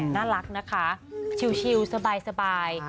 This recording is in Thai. น่ารักนะคะชิวสบาย